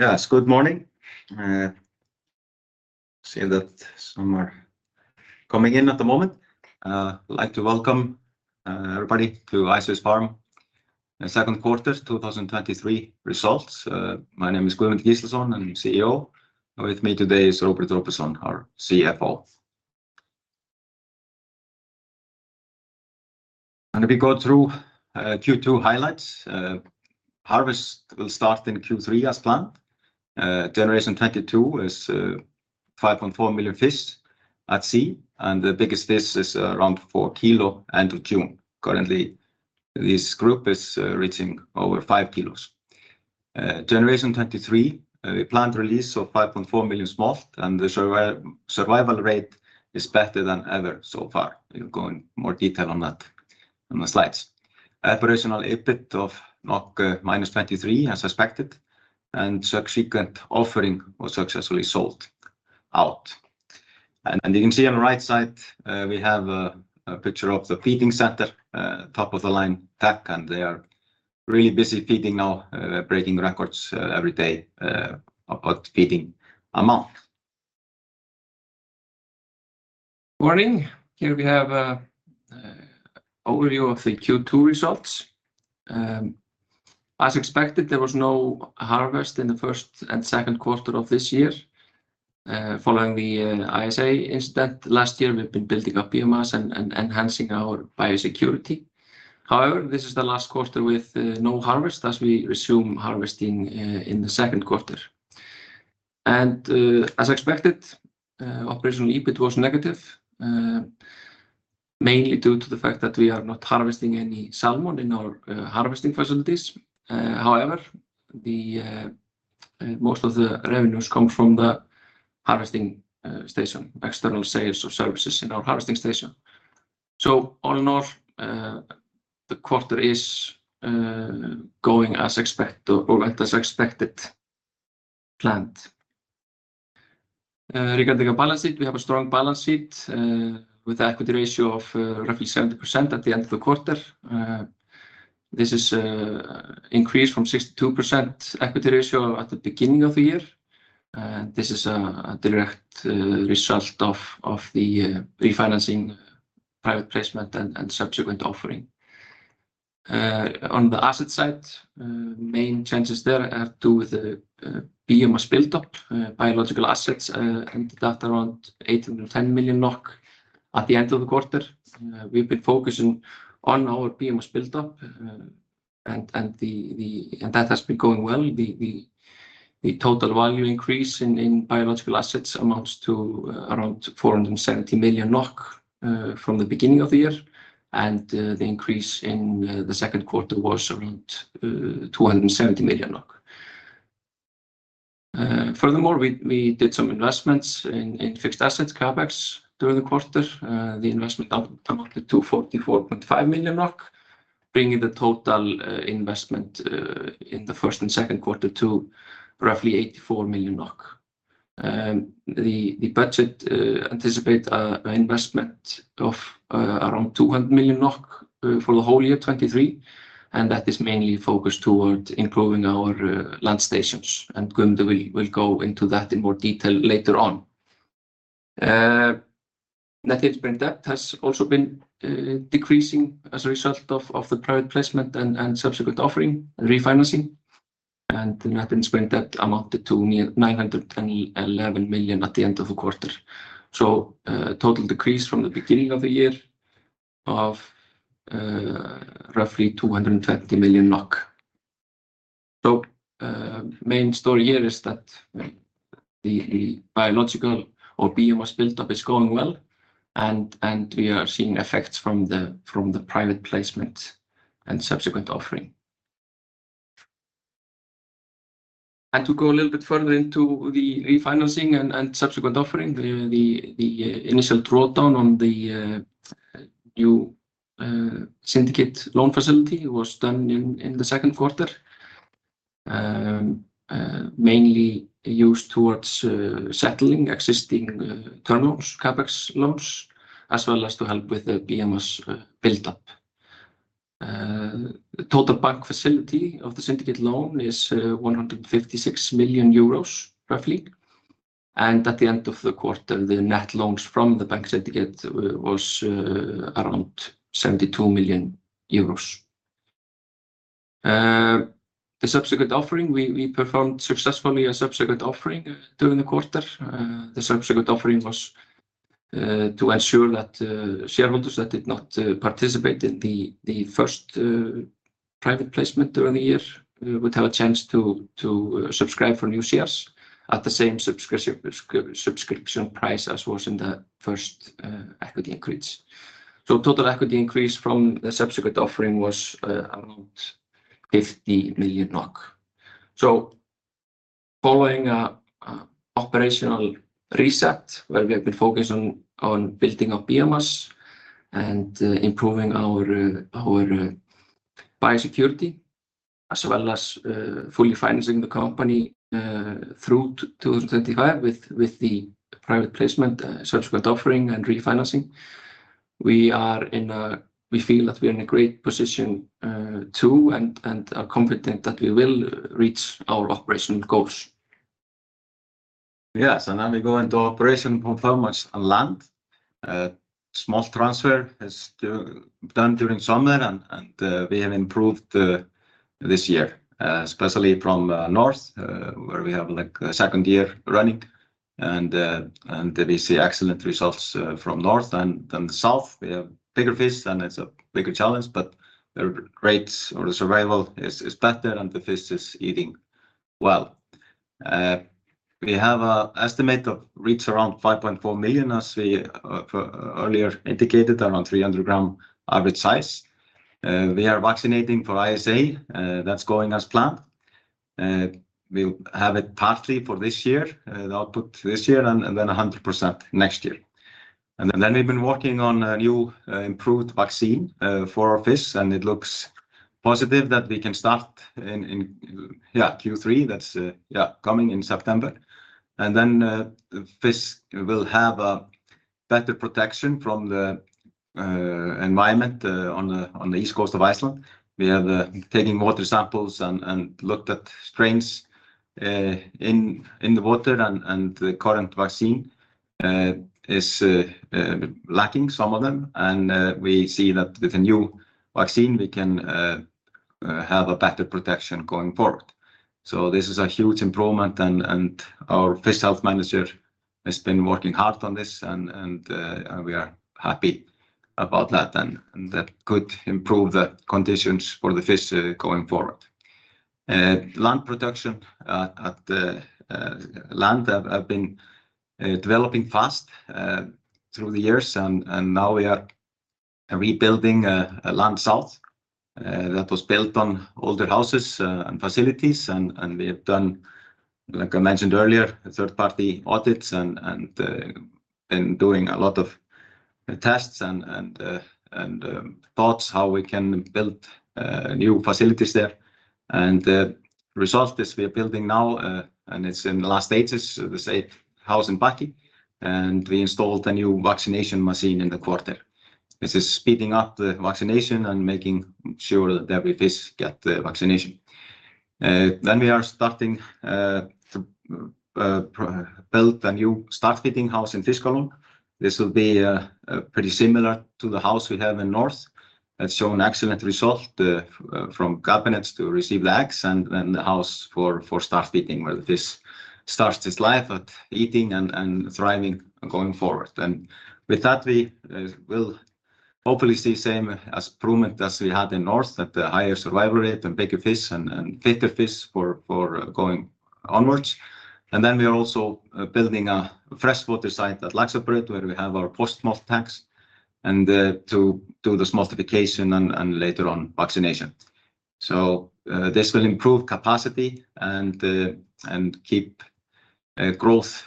Yes, good morning. I see that some are coming in at the moment. I'd like to welcome everybody to Ice Fish Farm and second quarter 2023 results. My name is Guðmundur Gíslason, I'm CEO. With me today is Róbert Róbertsson, our CFO. We go through Q2 highlights. Harvest will start in Q3 as planned. Generation 22 is 5.4 million fish at sea, and the biggest fish is around 4 kilos end of June. Currently, this group is reaching over 5 kilos. Generation 23, we planned release of 5.4 million smolt, and the survival rate is better than ever so far. We'll go in more detail on that on the slides. Operational EBIT of -23, as suspected, and subsequent offering was successfully sold out. You can see on the right side, we have a picture of the feeding center, top of the line tech, and they are really busy feeding now, breaking records every day about feeding amount. Morning. Here we have a overview of the Q2 results. As expected, there was no harvest in the first and second quarter of this year. Following the ISA incident last year, we've been building up biomass and enhancing our biosecurity. However, this is the last quarter with no harvest as we resume harvesting in the second quarter. And as expected, operational EBIT was negative, mainly due to the fact that we are not harvesting any salmon in our harvesting facilities. However, the most of the revenues come from the harvesting station, external sales or services in our harvesting station. So all in all, the quarter is going as expected, planned. Regarding our balance sheet, we have a strong balance sheet with an equity ratio of roughly 70% at the end of the quarter. This is increased from 62% equity ratio at the beginning of the year. And this is a direct result of the refinancing, private placement, and subsequent offering. On the asset side, main changes there have to do with the biomass buildup. Biological assets ended at around 810 million NOK at the end of the quarter. We've been focusing on our biomass buildup, and that has been going well. The total value increase in biological assets amounts to around 470 million NOK from the beginning of the year, and the increase in the second quarter was around 270 million. Furthermore, we did some investments in fixed assets, CapEx, during the quarter. The investment amounted to 44.5 million, bringing the total investment in the first and second quarter to roughly 84 million NOK. The budget anticipate a investment of around 200 million NOK for the whole year, 2023, and that is mainly focused towards improving our land stations, and Guðmundur will go into that in more detail later on. Net interest-bearing debt has also been decreasing as a result of the private placement and subsequent offering and refinancing, and net interest-bearing debt amounted to 911 million at the end of the quarter. So a total decrease from the beginning of the year of roughly NOK 220 million. So main story here is that the biological or biomass buildup is going well, and we are seeing effects from the private placement and subsequent offering. And to go a little bit further into the refinancing and subsequent offering, the initial drawdown on the new syndicate loan facility was done in the second quarter. Mainly used towards settling existing term loans, CapEx loans, as well as to help with the biomass buildup. The total bank facility of the syndicate loan is 156 million euros, roughly, and at the end of the quarter, the net loans from the bank syndicate was around 72 million EUR. The subsequent offering, we performed successfully a subsequent offering during the quarter. The subsequent offering was to ensure that shareholders that did not participate in the first private placement during the year would have a chance to subscribe for new shares at the same subscription price as was in the first equity increase. So total equity increase from the subsequent offering was around 50 million NOK. So following an operational reset, where we have been focused on building up biomass and improving our biosecurity, as well as fully financing the company through to 2025 with the private placement, subsequent offering, and refinancing.... We feel that we are in a great position, too, and are confident that we will reach our operation goals. Yes, and then we go into operation for post-smolt on land. Small transfer has to done during summer, and we have improved this year, especially from North, where we have, like, a second year running. And we see excellent results from north and then the south. We have bigger fish, and it's a bigger challenge, but the rates or the survival is better, and the fish is eating well. We have an estimate of reach around 5.4 million, as we for earlier indicated, around 300-gram average size. We are vaccinating for ISA. That's going as planned. We'll have it partly for this year, the output this year, and then 100% next year. And then we've been working on a new, improved vaccine for our fish, and it looks positive that we can start in Q3. That's coming in September. And then the fish will have a better protection from the environment on the east coast of Iceland. We have taking water samples and looked at strains in the water, and the current vaccine is lacking some of them. And we see that with a new vaccine, we can have a better protection going forward. So this is a huge improvement, and our fish health manager has been working hard on this, and we are happy about that. And that could improve the conditions for the fish, going forward. Land production at the land has been developing fast through the years, and now we are rebuilding a land south that was built on older houses and facilities. And we have done, like I mentioned earlier, third-party audits and thoughts how we can build new facilities there. And the result is we are building now, and it's in the last stages, the safe house in Bakki, and we installed a new vaccination machine in the quarter. This is speeding up the vaccination and making sure that every fish get the vaccination. Then we are starting to build a new start feeding house in Fiskalón. This will be pretty similar to the house we have in North. That's shown excellent result from cabinets to receive the eggs and then the house for start feeding, where the fish starts its life at eating and thriving going forward. And with that, we will hopefully see same as improvement as we had in North, that the higher survival rate and bigger fish and fitter fish for going onwards. And then we are also building a freshwater site at Laxabraut, where we have our post-smolt tanks, and to do the smoltification and later on, vaccination. So, this will improve capacity and keep growth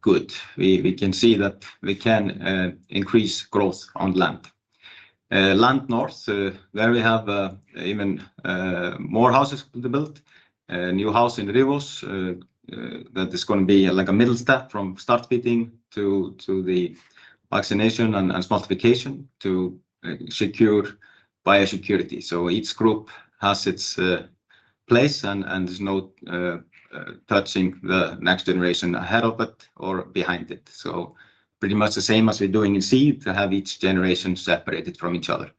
good. We can see that we can increase growth on land. Land north, there we have even more houses to build. A new house in Rifós that is gonna be like a middle step from start feeding to the vaccination and smoltification to secure biosecurity. So each group has its place, and there's no touching the next generation ahead of it or behind it. So pretty much the same as we're doing in sea, to have each generation separated from each other.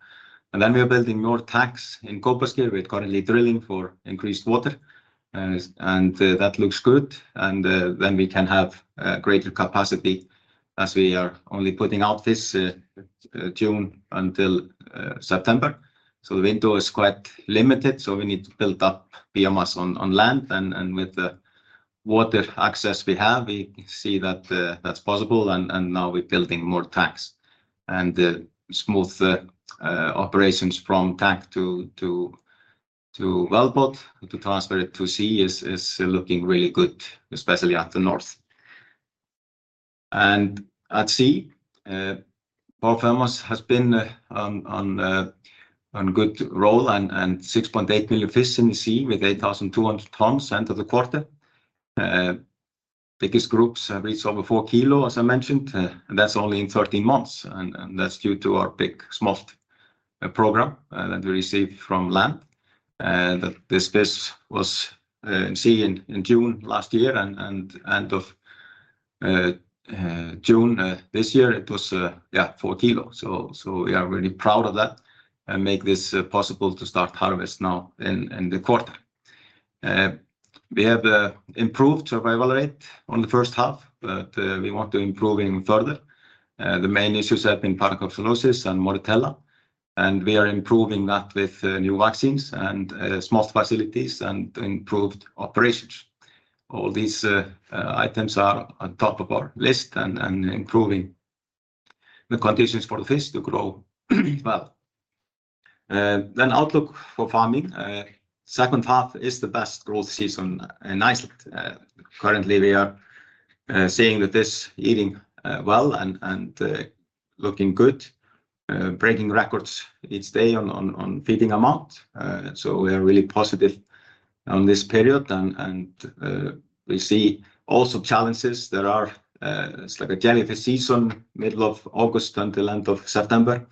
And then we are building more tanks in Kópasker. We're currently drilling for increased water, and that looks good. Then we can have greater capacity as we are only putting out this June until September. So the window is quite limited, so we need to build up biomass on land. And with the water access we have, we see that that's possible, and now we're building more tanks. And the smooth operations from tank to wellboat to transfer it to sea is looking really good, especially at the north. And at sea, harvest has been on good roll, and 6.8 million fish in the sea with 8,200 tons end of the quarter. Biggest groups have reached over 4 kilo, as I mentioned, and that's only in 13 months, and that's due to our big smolt program that we received from land. This fish was in sea in June last year, and end of June this year it was, yeah, 4 kilo. So we are really proud of that and make this possible to start harvest now in the quarter. We have improved survival rate on the first half, but we want to improve even further. The main issues have been Parvicapsulosis and Moritella, and we are improving that with new vaccines and smolt facilities and improved operations. All these items are on top of our list and improving the conditions for the fish to grow well. Then, outlook for farming. Second half is the best growth season in Iceland. Currently, we are seeing the fish eating well and looking good, breaking records each day on feeding amount. So we are really positive on this period. And we see also challenges. It's like a jellyfish season, middle of August until end of September,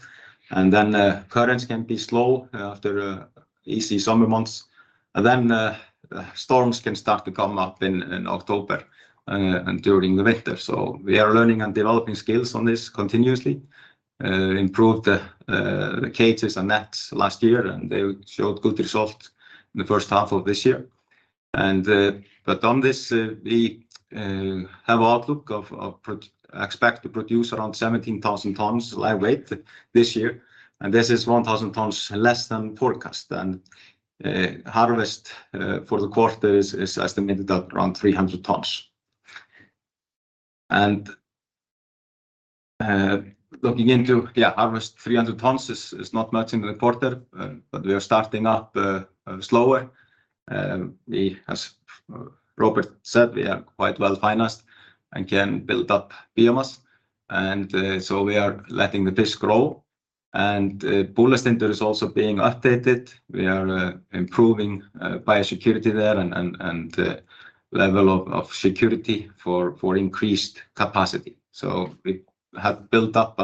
and then currents can be slow after an easy summer months. Then the storms can start to come up in October and during the winter. So we are learning and developing skills on this continuously. Improved the cages and nets last year, and they showed good result in the first half of this year. But on this, we have outlook of expect to produce around 17,000 tons live weight this year, and this is 1,000 tons less than forecast. Harvest for the quarter is estimated at around 300 tons. Looking into, yeah, harvest 300 tons is not much in the quarter, but we are starting up slower. We, as Robert said, we are quite well financed and can build up biomass. So we are letting the fish grow, and Búlandstindur is also being updated. We are improving biosecurity there and the level of security for increased capacity. So we have built up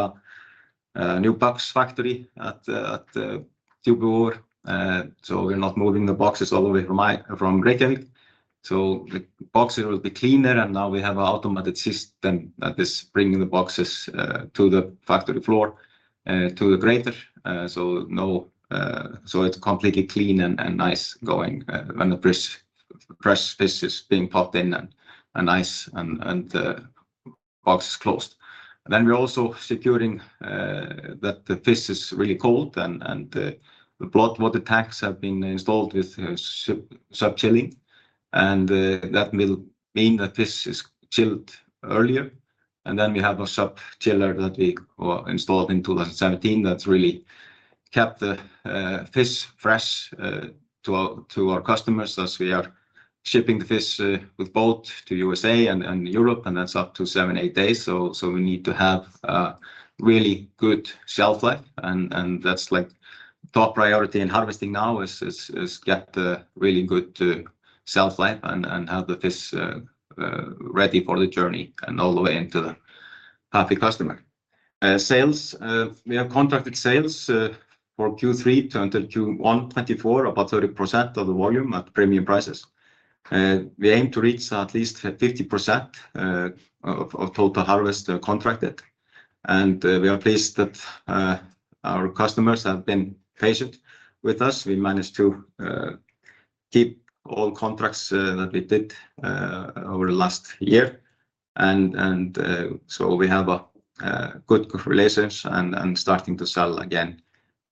a new box factory at Djúpivogur. So we're not moving the boxes all the way from Reykjavík. So the boxes will be cleaner, and now we have an automated system that is bringing the boxes to the factory floor to the grader. So it's completely clean and nice going when the fresh, fresh fish is being popped in and nice and the box is closed. Then we're also securing that the fish is really cold and the blood water tanks have been installed with sub-chilling, and that will mean that fish is chilled earlier. We have a sub-chiller that we installed in 2017 that's really kept the fish fresh to our customers as we are shipping the fish with boat to USA and Europe, and that's up to 7-8 days. So we need to have a really good shelf life, and that's like top priority in harvesting now is get the really good shelf life and have the fish ready for the journey and all the way into the happy customer. Sales, we have contracted sales for Q3 until Q1 2024, about 30% of the volume at premium prices. We aim to reach at least 50% of total harvest contracted, and we are pleased that our customers have been patient with us. We managed to keep all contracts that we did over the last year. And so we have a good relations and starting to sell again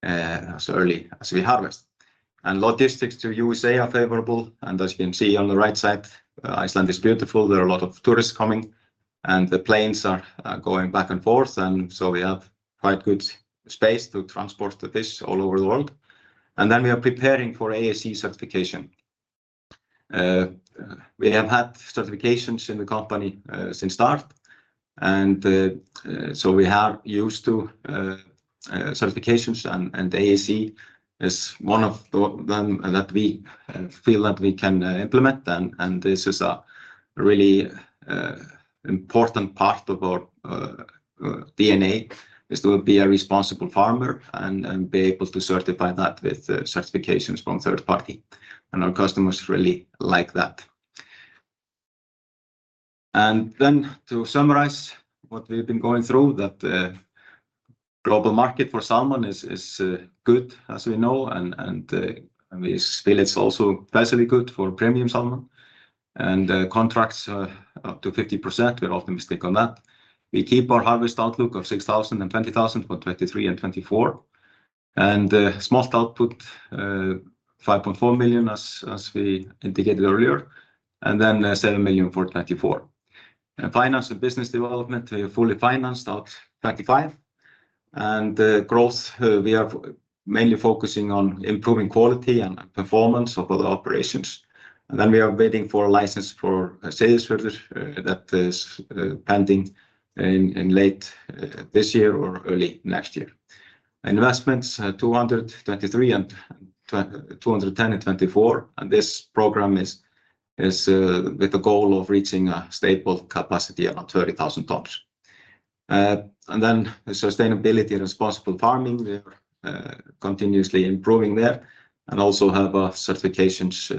as early as we harvest. And logistics to USA are favorable. And as you can see on the right side, Iceland is beautiful. There are a lot of tourists coming, and the planes are going back and forth, and so we have quite good space to transport the fish all over the world. And then we are preparing for ASC certification. We have had certifications in the company since start, and so we are used to certifications, and ASC is one of them that we feel that we can implement. This is a really important part of our DNA, is to be a responsible farmer and be able to certify that with certifications from third party, and our customers really like that. Then to summarize what we've been going through, the global market for salmon is good, as we know, and we feel it's also nicely good for premium salmon. Contracts are up to 50%. We're optimistic on that. We keep our harvest outlook of 6,000 and 20,000 for 2023 and 2024, and smolt output 5.4 million, as we indicated earlier, and then 7 million for 2024. And finance and business development, we are fully financed out 2025. And growth, we are mainly focusing on improving quality and performance of all the operations. And then we are waiting for a license for Seyðisfjörður, that is, pending in late this year or early next year. Investments, 223 and 210 in 2024, and this program is, with the goal of reaching a stable capacity around 30,000 tons. And then sustainability and responsible farming, we are, continuously improving there and also have, certifications,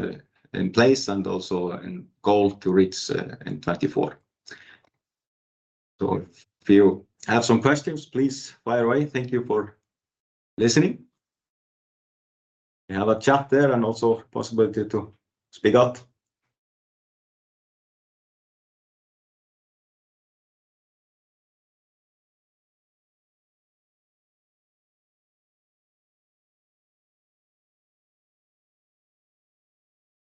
in place and also in goal to reach, in 2024. So if you have some questions, please fire away. Thank you for listening. We have a chat there and also possibility to speak out.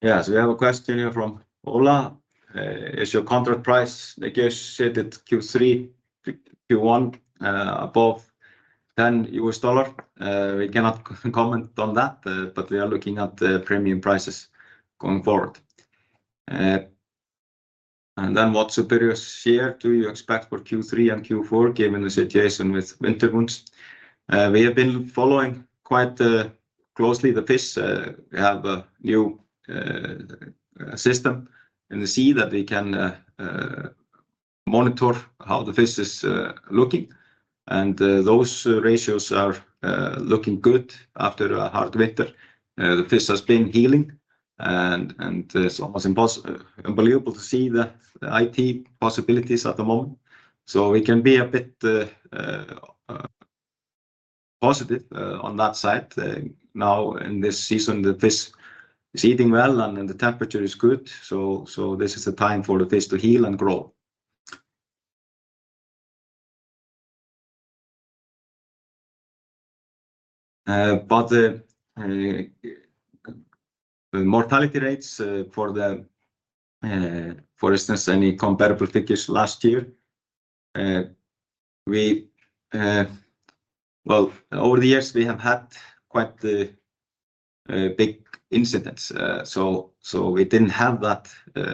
Yeah, so we have a question here from Ola: "Is your contract price negotiated Q3 to Q1, above $10?" We cannot comment on that, but we are looking at the premium prices going forward. And then what superior share do you expect for Q3 and Q4, given the situation with winter wounds? We have been following quite closely the fish. We have a new system in the sea that we can monitor how the fish is looking, and those ratios are looking good after a hard winter. The fish has been healing, and it's almost unbelievable to see the IT possibilities at the moment. So we can be a bit positive on that side. Now, in this season, the fish is eating well, and the temperature is good, so this is a time for the fish to heal and grow. But the mortality rates... For instance, any comparable figures last year? We... Well, over the years, we have had quite the big incidents. So, we didn't have that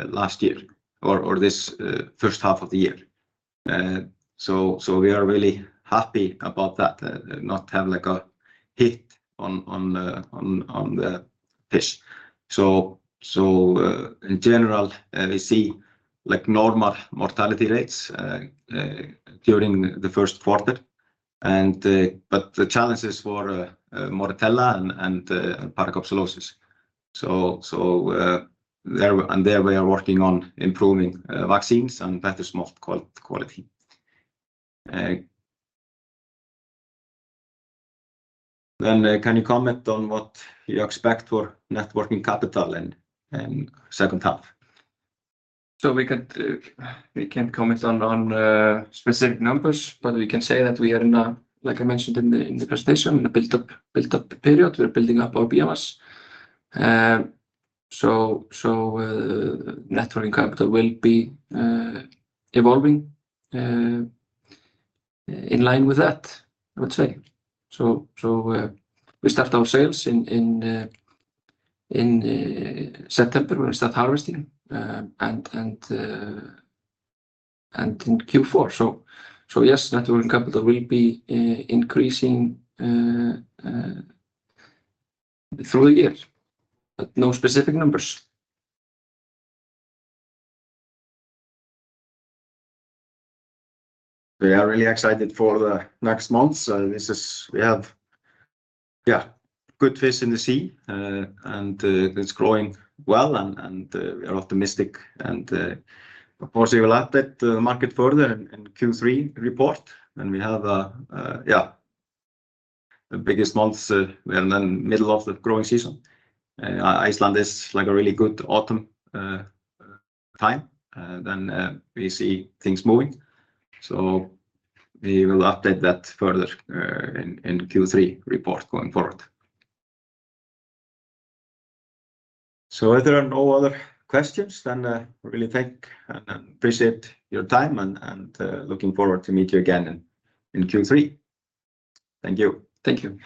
last year or this first half of the year. So, we are really happy about that, not have, like, a hit on the fish. So, in general, we see like normal mortality rates during the first quarter, and... But the challenge is for Moritella and Parvicapsulosis. So, there and there we are working on improving vaccines, and that is not quality, quality. Then, can you comment on what you expect for net working capital in second half? So we can't comment on specific numbers, but we can say that we are in a, like I mentioned in the presentation, in a build-up period. We're building up our biomass. So net working capital will be evolving in line with that, I would say. So we start our sales in September, we start harvesting and in Q4. So yes, net working capital will be increasing through the year, but no specific numbers. We are really excited for the next months. We have, yeah, good fish in the sea. It's growing well, and we are optimistic. Of course, we will update the market further in Q3 report, when we have, yeah, the biggest months, and then middle of the growing season. Iceland is, like, a really good autumn time, then we see things moving. So we will update that further in the Q3 report going forward. So if there are no other questions, then we really thank and appreciate your time and looking forward to meet you again in Q3. Thank you. Thank you.